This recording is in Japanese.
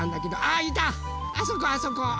あそこあそこ！